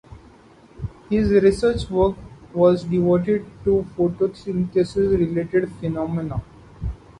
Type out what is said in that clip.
His research work was devoted to photosynthesis-related phenomena.